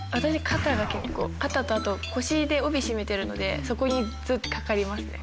肩とあと腰で帯締めてるのでそこにズンってかかりますね